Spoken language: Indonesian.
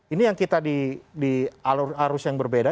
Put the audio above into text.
ini yang kita di alur arus yang berbeda